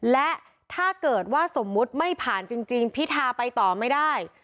และถ้าเกิดว่าสมมุติไม่ผ่านจริงพิธาไปต่อไม่ได้